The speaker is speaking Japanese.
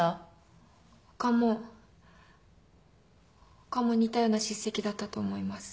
他も似たような叱責だったと思います。